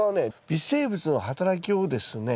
微生物の働きをですね